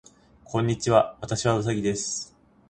こんにちは。私はうさぎです。